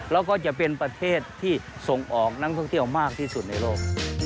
แล้วก็จะเป็นประเทศที่ส่งออกนักท่องเที่ยวมากที่สุดในโลก